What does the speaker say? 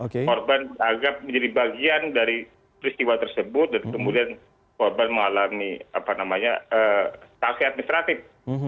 korban agak menjadi bagian dari peristiwa tersebut dan kemudian korban mengalami apa namanya stasi administratif